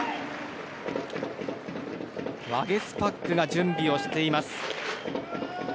ワゲスパックが準備をしています。